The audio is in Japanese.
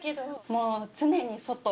もう常に外。